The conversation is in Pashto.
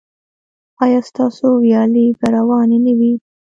ایا ستاسو ویالې به روانې نه وي؟